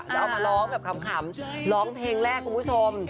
แล้วเอามาร้องแบบขำร้องเพลงแรกคุณผู้ชม